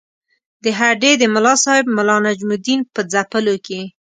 د هډې د ملاصاحب ملا نجم الدین په ځپلو کې.